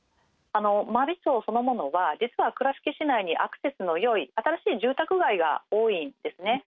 真備町そのものは実は倉敷市内にアクセスのよい新しい住宅街が多いんですね。